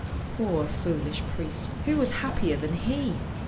Poor, foolish priest, who was happier than he